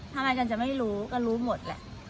ทำไมกันจะไม่รู้ก็รู้หมดแหละ